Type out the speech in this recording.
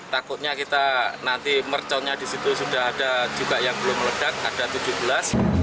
takutnya kita nanti merconnya di situ sudah ada juga yang belum meledak ada tujuh belas